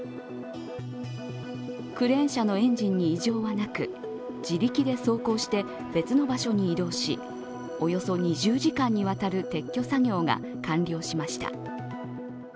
クレーン車のエンジンに異常はなく、自力で走行して別の場所に移動し、およそ２０時間にわたる撤去作業が完了しました。